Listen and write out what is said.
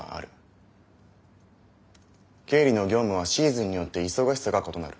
経理の業務はシーズンによって忙しさが異なる。